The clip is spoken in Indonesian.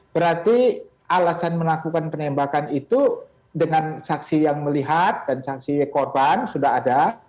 berarti alasan melakukan penembakan itu dengan saksi yang melihat dan saksi korban sudah ada